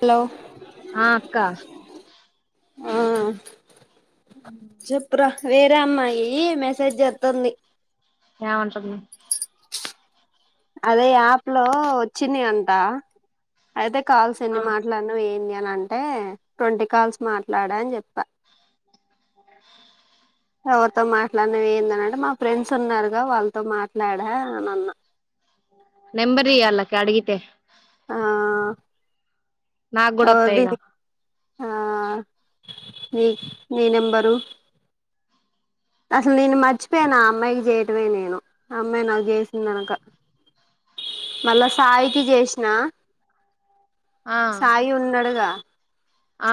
Hello ఆ అక్క ఆ చెప్పురా వేరే అమ్మాయి మెసేజ్ చెత్తాంది ఏమంటాంది అదే యాప్ లో వచ్చింది అంట అయితే ఆ కాల్సన్ని మాట్లాడిన ఏంటి నన అంటే ట్వంటీ కాల్స్ మాట్లాడ అని చెప్పా అ ఎవరితో మాట్లాడినవి ఏందనంటే మా ఫ్రెండ్స్ ఉన్నారుగా వాళ్ళతో మాట్లాడ అనన్న నెంబరియ్యి వాళ్ళకి అడిగితే ఆ నాకు కూడా ఎవల్ది వత్తాయిగా నీదా ఆ మీ నీ నెంబరు అసలు నేను మర్చిపోయాను ఆ అమ్మాయికి చేయటమే నేను ఆ అమ్మాయి నాకు చేసిందినక మళ్ళా సాయికి చేశ్న ఆ సాయి ఉన్నడుగా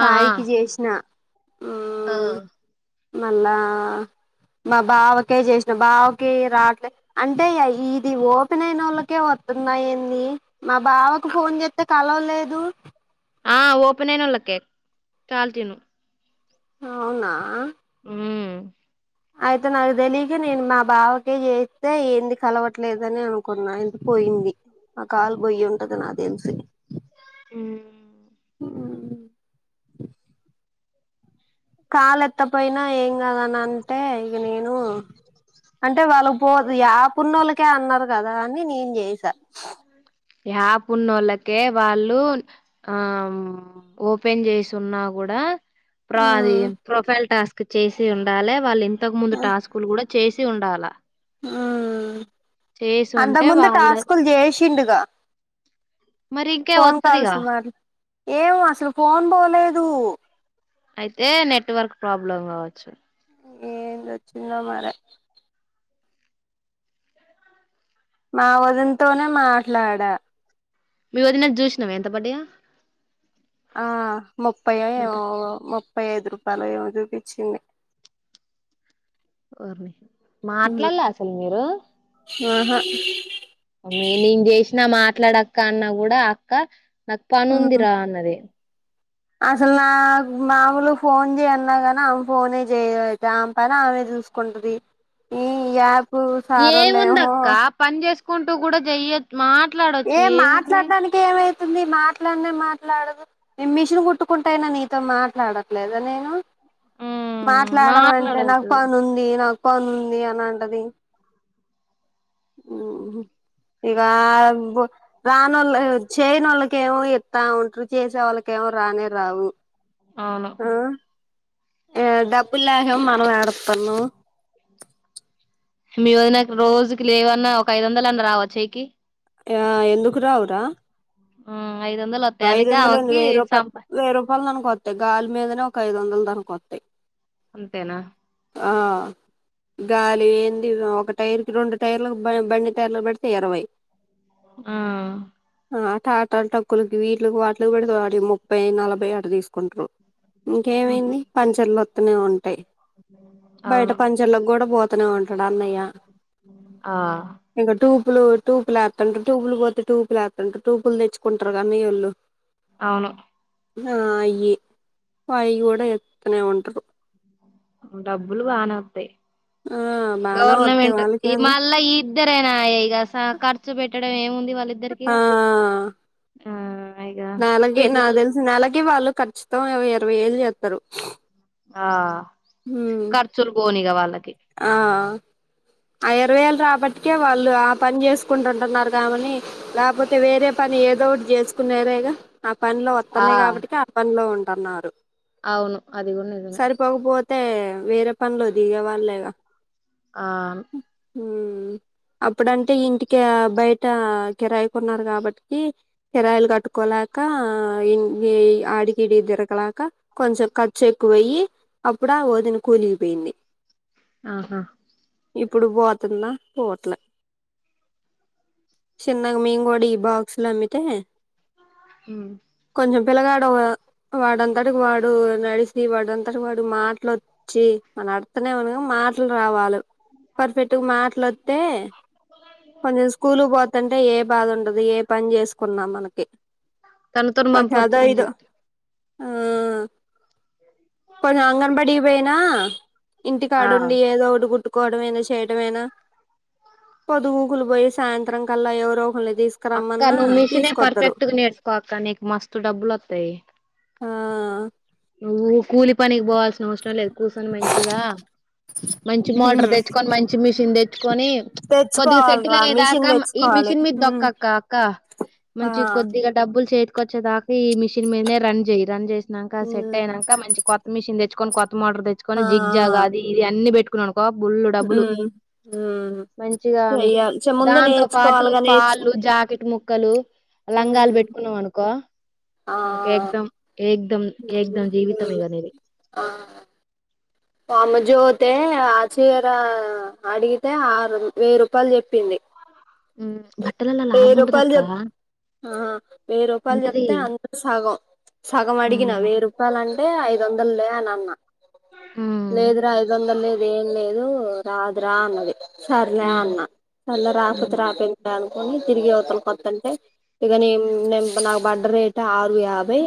ఆ ఆ చేస్న ఆ మళ్ళ మా బావకే చేసిన బావకి రాట్లేదు అంటే ఇది ఓపెన్ అయినోళ్ళకే వత్తున్నాయీ ఏంది మా బావకు ఫోన్ చేస్తే కలవలేదు ఆ ఓపెన్ అయిన ఒళ్లకే చాల్టీను అవునా ఉ అయితే నాకు తెలిక నేను మా బావకే చెత్తే ఏంది కలవట్లేదని అనుకున్న ఇంత పోయింది ఆ కాల్ పోయుండదు నాకు తెలిసి ఉమ్ ఆ కాల్ ఎత్తపోయిన ఏం గాదని అంటే ఇగ నేను అంటే వాళ్ళ పోదు ఈ యాపునోళ్లకే అన్నారు కదా అని నేను చేసా [unintelligible] యాప్ ఉన్న ఒళ్ళకే వాళ్ళు ఆ ఓపెన్ చేసి ఉన్నా కూడ, ప్ర అది ప్రొఫైల్ టాస్క్ చేసి ఉండాలే వాళ్ళు ఇ ఇంతకు ముందు టాస్కులు కూడా, చేసి ఉండాల ఆ అంత ఉంటే ముందు వాళ్ళ టాస్కులు చేసిండుగా, మరి ఇంకే ఫోన్ కాల్స్ వత్తదిగా మరి ఏమో అసలు ఫోన్లే లేదు, అయితే నెట్వర్క్ ప్రాబ్లం కావచ్చు, ఎంది వచ్చిందో మరే, మా వదినతోనే మాట్లాడా మీ వదినకు చూసినవ ఎంత పడ్డయో, ఆ మూపై యో ఏమో ఒ ముప్ ముప్పై ఐదు రూపాయలు ఏమో చూపించింది. వోర్ని మాట్లాల్లే అసలు మీరు ఉ హా మాట్లడక్క అన్నా కూడా అక్క, నాకు పని ఉందిరా అన్నది. అసలు నాక్ మామూలుగ ఫోన్ చేయన్నా కానీ ఆమె ఫోనే చేయ అయితే ఆమె పనీ ఆమె చూసుకుంటది. ఈ యాప్ సారోళ్ళేమో ఏముందక్క పని చేసు కుంటూ కూడా చేయొచ్చు, ఏం మాట్లాడడానికి ఏమై ఉంది మాట్లాడినే మాట్లాడదు నేను మిషన్ కుట్టుకుంటా, అయినా నీతో మాట్లాడట్లేదా నేను ఉమ్ మాట్లాడమ అంటే నాకు మాట్లాడొచ్చు పని ఉంది, నాకు పని ఉంది అని అంటది. ఉహు ఇక రానోళ్లు చేయనోలకేమో చెప్తా ఉంటారు. చేసే వాళ్ళకేమో రానే రావు, అవును ఆ డబ్బులు లేకఏమో మనం ఏడతానం, లేమీ నాకు రోజుకి లేవన్నా ఒక ఐదు వందలు అన్న రావా వచ్చేకి, ఆ ఎందుకు రావురా, ఐదు వందలు వత్తాయి, అందుకె ఆమెకి చంపా మనకొస్తాయి, దాని మీదనే ఒక ఐదు వందల దాకావత్తాయి. అంతేనా ఆ గాలి ఏంది ఒక టైర్కి రెండు టైర్లు బండి టైర్లు పడితే ఇరవై ఆ ఆ ఆట ఆట టక్కులకి వీటికి వాటికి పెడత ముప్పై నలభై ఆట తీసుకుంటారు ఇంకేమైంది పంచర్లు లొ అతునే ఉంటాయ్ బయట అవును పంచర్లకుకి కూడా బోత్ తనే వుంటరు మా అన్నయ ఆ ఇక టు ప్లు టూ ప్లాక్ అంటే ట్యూబులు పోతే ట్యూు లేతంటారు ట్యూబులు తెచ్చుకుంటారు కానీయళ్ళు అవును ఆ అయ్యి అయ్యి కూడా ఎత్తనే ఉంటరు డబ్బులు బాన వస్తాయి ఆ బానే వస్తాయి వాళ్ళకేంది మళ్ళా ఈ ఇద్దరేనా ఇగ ఖర్చు పెట్టడం ఏముంది ఇది వాళ్ళిద్దరికి ఆ ఇగా నెలకి నాకు పిల్లలు ఆ ఇగ పిల్లలు తెలిసి నెలకి వాళ్ళు ఖచ్చితం ఇరవై ఏళ్ళ చేస్తారు ఆ ఉమ్ కర్చులు గోనిగా వాళ్లకి ఆ అర వేలు రాబట్కే వాళ్ళు ఆ పని చేసుకుంటుంటున్నారు కామని లేకపోతే వేరే పని ఏదో ఒకటి చేసుకునేరేగా ఆ పనిలో ఆ వస్తున్నాయి కాబట్టి ఆ పనిలో ఉండ కన్నారు అవును అదిగు నిజమే అయితే వేరే పనులు దిగే వాళ్ళే అ ఆ ఊ అప్పుడంటే ఇంటికి బయట కిరాయి కొన్నారు కాబట్టి కిరాయిలు కట్టుకోలేక ఆడికిడి దిరగలాక కొంచెం ఖర్చు ఎక్కువ్యి అప్పుడు ఆ వదిన కూలిగిపోయింది ఆహా ఇప్పుడు పోతుంద పోవట్ల చిన్నగ మీం గూడ ఈ బాగ్ బుక్స్ లమ్మితే ఊ కొంచెం పిల్లగాడు వాడంతటికి వాడు నడిస్ ది వాడంతట వాడు మాటలు వొచ్చి మన అడుతనేమన మాటలు రావాలి పర్ఫెక్ట్ మాట్లాలొతే కొంచెం స్కూల్ పో అంటే ఏ బాధ ఉండదు ఏ పని చేసుకున్నా మనకి తనతోని ఒక పంపొచ్చు అదో ఇదో మంచిగా ఆ కొంచం అంగన్వాడికి పోయినా ఇంటి ఆ కాడుండి ఏదో ఓటి కట్ కోవడమైన చేయటమైన పొదుగుకులు పోయి సాయం త్రం కల్లా ఎవరో ఒకల్ని అక్క తీసుకురమ్మన్నా నువ్వు మిషినీ తీసుకొత్తరు పర్ఫెక్ట్ గా నేర్చుకో అక్క నీకు మస్తు డబ్బులు వస్తాయి ఆ నువ్వు కూలి పనికి బో సరం లేదు కూర్చొని మంచిగా మంచి మోటార్ తెచ్చుకొని మంచి మిషన్ తెచ్చుకొని కొద్దిగా సెట్టిల్ తెచ్చుకోవాలిరా అయ్యేదాకా మిషన్ ఈ తెచ్చుకోవాలి మిషన్ మీద దొక్కక్క అక్క మంచి కొద్దిగా డబ్బులు చేతీ కోచ్చే దాకా ఈ మిషిన్ మీదనే రన్ చేయి రన్ చేస్ నాకా సే ఆ తేనాక మంచి కొత్త మిషన్ తెచ్చు కొన్ కో మోటర్ తెచ్చుకని ఆ జిగ్జాగాది ఇ అన్ని పెట్టు ఓ బుళ్లుు డబ్బులు ఉమ్ ఉమ్ మంచిగా చెయ్యాలి చె ముందు దాంతో పాటు నేర్చుకోవాలిగా నేర్చు పాళ్ళు జాకెట్ ము కలు లంగాలు ఉమ్, పెట్టుకున్నాం అనుకో ఆ ఇంకా ఎక్దం ఏక్దం ఉమ్, ఎగ్ధం జీవితం ఉమ్. ఇగ నిది వామజోతే ఆ చీర అడిగితే ఆరు వెయ్యి రూపాయలు చెప్పింది హ్మ్ బట్టలల్ల వెయ్యి లాభం రూపాల్ ఉంటదక్క చెప్ ఆ వెయ్యి రూపాలు ఉంటది. చెప్తే అంతలో సగం సగం అడిగిన హ్మ్. వెయ్యి రూపాలు అంటే ఐదొందల్లే అన్న మ హ్మ్. లేదు రా ఐదొందల్ లేదు ఏం లేదు ఓ రాదు రా అన్నది సర్లే హ్మ్. అన్న సర్లే రాపోతే హ్మ్. రాపో తిరిగి అవుతాం ఓత్తంటే ఇగనీ నెం నాకు పడ్డ రేట్ ఆ యాభై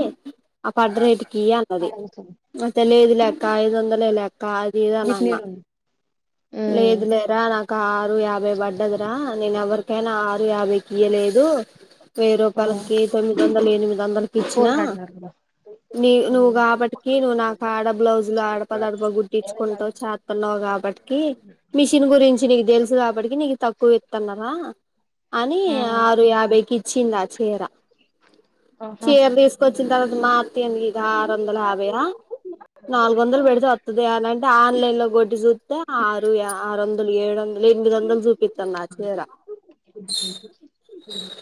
ఆ పడ్డ రేటుకియి అన్నది ఆడ కూసోని ఐతే లేదులే అక్క ఐదు వందలే లే అక్క అది ఇది గిట్ అనన్నా నీడుండు. హ్మ్. లేదు లేరా నాకు ఆరు యాభై పడ్డదిరా నేనెవ్వరి అరు యాభై ఇయలేదు వెయ్యి ఆ రూపాలకి తొమ్మిదొందలు ఇయ్యని త వందలకిచ్చినా కూలర్ అడిగారు గదా! నీ నువ్వు కాబట్టికి నువ్వు నాకాడ బ్లౌజులు అడప దడప గుడ్టించుకుంటవ్ చాత్తున్నవు కాబట్టికి మిషన్ గురించి నీకు తెలుసు కాబట్టికి నీకు తక్కువ ఇత్తన్నరా అని ఆరు యాభై కిచ్చింది ఆ చీరా ఆహా చీర్ తీసుకొచ్చిన తర్వాత మా అత్త ఇది ఆరొందయాభై ఆ నాలుగు వందలు పెడితే వత్తది అనంటే ఆన్లైన్ లో గొట్టి చుత్తే ఆరు యా ఆరోన్ ఏడొన్ ఎనిమిదొందలు చూపిత్తంది ఆ చీర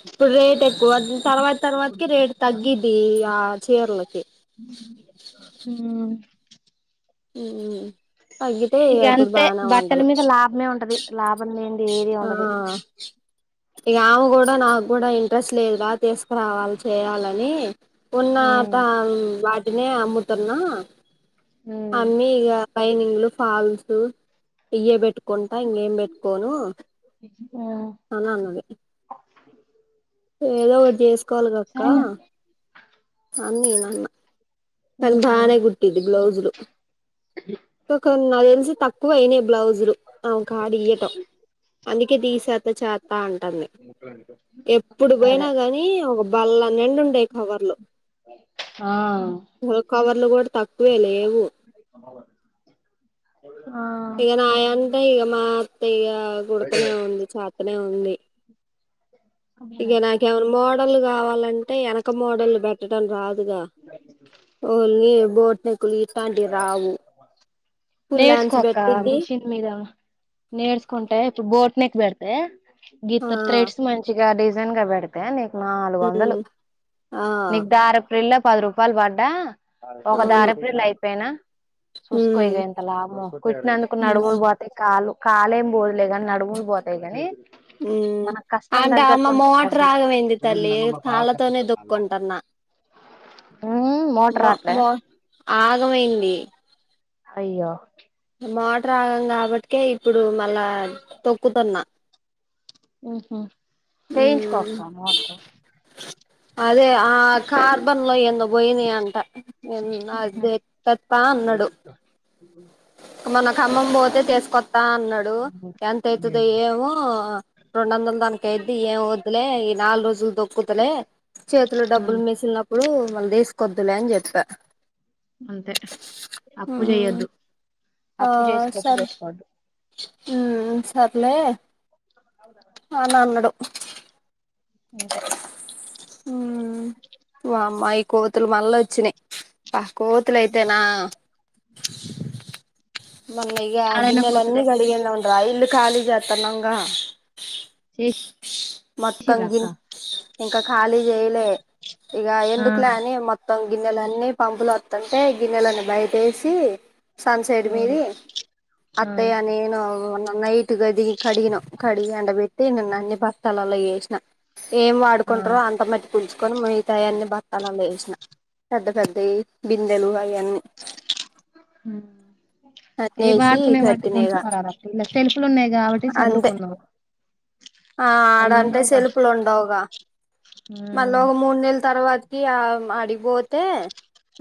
ఇప్పుడు రేట్ ఎక్కువ తర్వాత తర్వాతకి రేట్ తగ్గిద్ది ఆ చీరలకి ఊ ఇగంతే బట్టల మీద లాభమే ఉంటది లాభం లే ఆ ఇగ ఆమె కూడా నాకూడా ఇంట్రెస్ట్ లేదు రా తీసుకురావాలి చేయాలని పొన్నా ఉమ్ తంమ్ వట్ తినే అమ్ముతున్నా ఉమ్ అమ్మీ ఇగ లైనింగ్లు ఫాల్స్ ఇయ్యే బెట్ కొంటా ఇంకేం ను అనన్నది ఏదో ఓటి జెస్ కోల్గాక్క సరేనా అని నేనన్న సం ఉమ్ భానే గుట్టది బ్లౌజ్ లు కన్ నాకు తెలిసి తక్ పోయినాయి బ్లౌజులు ఆమె కాడియేటో అందుకే దీసేత చేత అంటుంది ఎప్పుడు పోయినా అదే కాని ఒక బల్ళ నిండుండే కవర్లు ఆ కవర్లు కూడా తక్కువే లేవు ఆ ఇక నాయంటె ఇగ మా అత్తయ్ ఇగ గుడుతనే ఉంది చా పక్కనే ఉంది ఇగ నాకేమైనా మోడల్ కావాలంటే ఎనక మోడల్లు పెట్టడం రాదుగా వోల్ని బోట్నకులు ఇట్లాంటివి రావు ఫుల్లాస్ పెట్టిద్ది నేడ్స్కుంటే ఇప్పుడు బోట్ నెక్ పెడితే ఆ గీత త్రేడ్స్ మం డిజైన్ గా పెడితే నీక్ నాలుగు ఉమ్ వందలు ఆ నీకు ధారపు రీళ్ళ పది రూపాయలు పడ్డా ఒక అవును దరాపు రీళ్ళ అయి చెప్పనా సుస్కో ఉమ్ ఇగ ఎంత లాభమో కుట్నందుకు ఉమ్ నడుముల్ పోతాయి కాళ్ళు కాలే ఏం పోదులే కానీ నడువులు పోతాయి కానీ హమ్ అంటే అమ్మ మోటార్ డబ్బులు ఆగమైంది తల్లి తళ్ళతోనే దొక్కుకుంటాన్న ఉమ్ మోటర్ మో రాట్లే మో ఆగమైంది అయ్యో మోటర్ ఆగమైంది కాబట్టికే ఇప్పుడు మళ్ళా తొక్కుతున్న ఓహ చేయించుకొ అక్క ఉమ్ మోటార్ అదే ఆ కార్బన్ లో ఎందో పోయినాయి అంట నే ఎక్కత్తా అన్నాడు మన కమ్మం పోతే తీసుకొస్తా అన్నాడు ఎంత అవుతుందో ఏమో రెండు వందలు దాక అయిద్ది ఏమి వద్దులే ఈ నాలుగు రోజులు దొక్కుతలే చేతులు డబ్బులు ఉమ్ మేసిలినప్పుడు తీసుకొద్దులే అని చెప్పా అంతే అప్పుూ చేయ్యొద్దు అప్పు చేసి కప్పు పెట్టుకోదు హమ్ సర్లే ఆ నాన్నడు అంతే వఅమ్మా ఈ కోతులు మళ్ళా వచ్చినాయి ఆ కోతుల అయితేనా మన్న యాడైనా గిన్నెల అన్ని పోతలే కడిగిన రైలు ఖాళీ చేతనంగా మొత్తం చేసిర్రా అక్క ఇంకా ఖాళీ చేలే ఇగా ఆ ఎందు క్ల్యాని మోత్తం గిన్నెలన్నీ పంపులు వస్తుంటే గిన్నెలన్న బయట వేసి సన్ సైడ్ ఆ మీది ఆ అత్తయ్య నేను ఉన్నా నై టు గది కడిగినం ఎండబేట్టి నిన్న అన్ని బస్తాలలో ఏసిన ఏం వా ఆ కుంటారు [unintelligible] కొని మిగతాయి అన్ని బత్తలల్లో వేసిన పెద్ద పెద్దవి బిందెలు అయన్ని ఏ అన్నేసి వాడుకున్న వాటినీ కట్టిన ఇగ ఉంచుకోరాదు పిల్ల సెలుపులు ఉన్నాయి కాబట్టి అంతే చదురుకున్నావు ఆ అల్ల ఉండవుగా మళ్ళ ఉమ్ ఒక మూడు నెళ్ళు తర్వాతకి ఆ అడి పోతే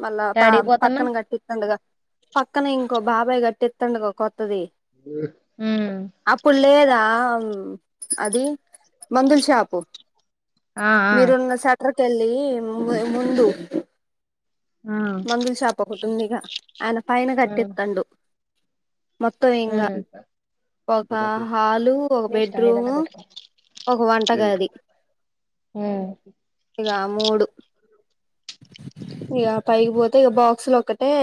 మళ్ళ యాడికి పక్కన పోతున్నావ్ కట్టిస్తుండుగా పక్కన ఇంకో బాగా పై కట్టితుండుగా ది ఉమ్ అప్పుడు లేదా అది మందుల్ షాపు ఆ ఆ మీరున్న శెట్టర్ కేలి ముందు ఉమ్ మంగలు శాప్ ఉందిగా ఆయన పైన కట్టిత్తండు మొత్తం ఇంకా ఉమ్ ఒక హాలు ఒక నీ ఇష్టం ఏదైనా బెడ్రూము పెట్టుకో ఒక వంటగది ఉమ్ ఇగ మూడు ఇగ పైకిపోతే ఇక బాక్సులు ఒక ఏ